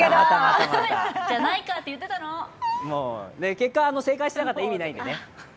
またまた、結果、正解しなかったら意味ないんでね。